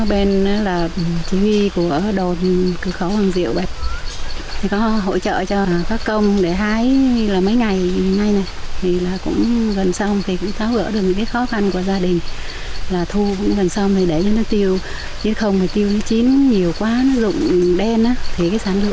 và gia đình cũng rất là cảm ơn ban chỉ huy đồn cửa khẩu hoàng diệu có sự quan tâm hỗ trợ